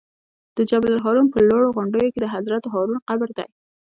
د جبل الهارون په لوړو غونډیو کې د حضرت هارون قبر دی.